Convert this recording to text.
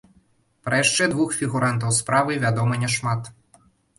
Пра яшчэ двух фігурантаў справы вядома няшмат.